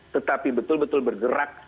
tetapi betul betul bergerak